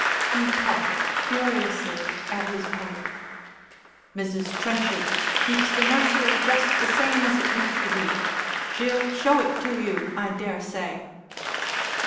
He puffed furiously at his pipe. "Mrs. Trenchard keeps the nursery just the same as it used to be. She'll show it to you, I daresay."